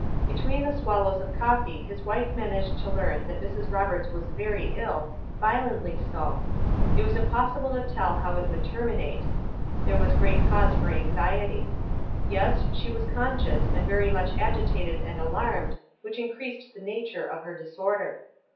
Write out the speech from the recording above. Between the swallows of coffee his wife managed to learn that Mrs. Roberts was very ill, violently so — it was impossible to tell how it would ter minate — there was great cause for anxiety. Yes, she w^as conscious, and very much agitated and alarmed, which increased the nature of her disorder.